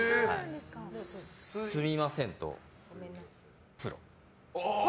すみませんと、プロ。